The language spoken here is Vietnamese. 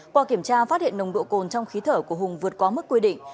qua kiểm tra phát hiện nồng độ cồn trong khí thở của hùng vượt qua mức quy định